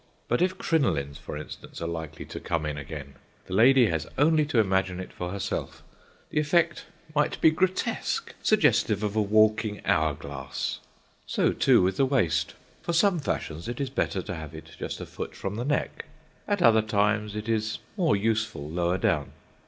But if crinolines, for instance, are likely to come in again! The lady has only to imagine it for herself: the effect might be grotesque, suggestive of a walking hour glass. So, too, with the waist. For some fashions it is better to have it just a foot from the neck. At other times it is more useful lower down.